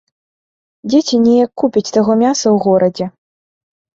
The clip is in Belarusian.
Дзеці неяк купяць таго мяса ў горадзе.